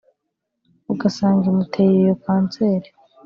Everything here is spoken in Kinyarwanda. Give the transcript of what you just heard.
ugasanga imuteye iyo kanseri”